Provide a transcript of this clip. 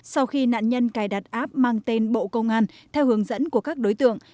sau khi nạn nhân cài đặt app mang tên bộ công an theo hướng dẫn của các đối tượng